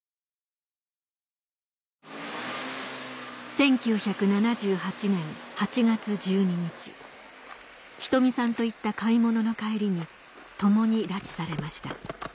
１９７８年８月１２日ひとみさんと行った買い物の帰りに共に拉致されました